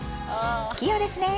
器用ですねえ。